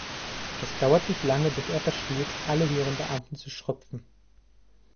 Es dauert nicht lange, bis er es versteht, alle höheren Beamten zu schröpfen.